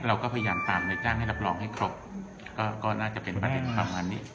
เราก็พยายามตามในจ้างให้รับรองให้ครบก็น่าจะเป็นประเด็นประมาณนี้